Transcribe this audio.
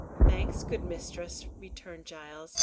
"Thanks, good mistress," returned Giles.